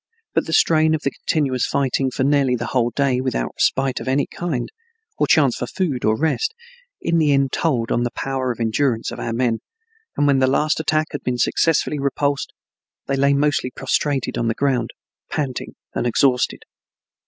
But the strain of the continuous fighting for nearly the whole day without respite of any kind, or chance for food or rest, in the end told on the power of endurance of our men, and when the last attack had been successfully repulsed they lay mostly prostrated on the ground, panting and exhausted.